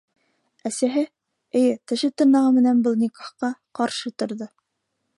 Әсәһе, эйе, теше-тырнағы менән был никахҡа ҡаршы торҙо.